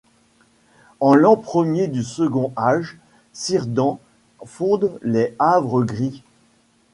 En l'an premier du Second Âge, Círdan fonde les Havres Gris.